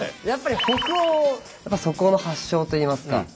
やっぱり北欧そこの発祥といいますか。